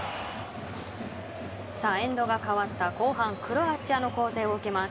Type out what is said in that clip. エンドが変わった後半クロアチアの攻勢を受けます。